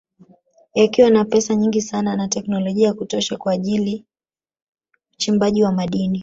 Yakiwa na pesa nyingi sana na teknolojia ya kutosha kwa ajili uchimbaji wa madini